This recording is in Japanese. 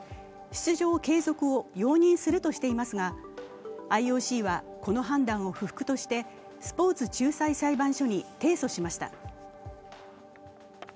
出場継続を容認するとしていますが、ＩＯＣはこの判断を不服としてスポーツ仲裁裁判所に提訴しました。